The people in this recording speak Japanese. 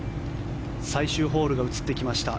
最終ホールが映ってきました。